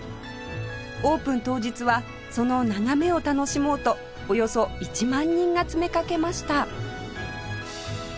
オープン当日はその眺めを楽しもうとおよそ１万人が詰めかけました